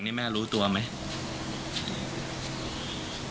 นี้แม่รู้ตัวเหมือนไหม